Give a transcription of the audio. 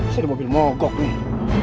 fahri harus tau nih